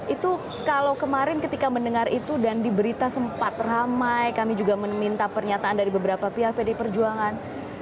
itu kalau kemarin ketika mendengar itu dan diberita sempat ramai kami juga meminta pernyataan dari beberapa pihak pd perjuangan